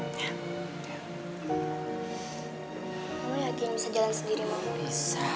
kamu yakin bisa jalan sendiri sama aku